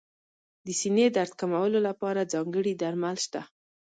د سینې درد کمولو لپاره ځانګړي درمل شته.